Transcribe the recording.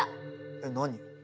えっ何？